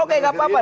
oke gak apa apa